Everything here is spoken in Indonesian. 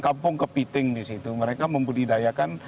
kampung kepiting di situ mereka membudidayakan